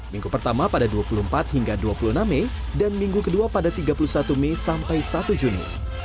minggu pertama pada dua puluh empat hingga dua puluh enam mei dan minggu kedua pada tiga puluh satu mei sampai satu juni